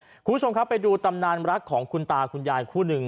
คุณผู้ชมครับไปดูตำนานรักของคุณตาคุณยายคู่หนึ่ง